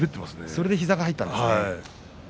それで膝が入ったんですね。